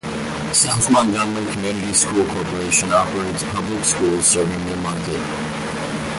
South Montgomery Community School Corporation operates public schools serving New Market.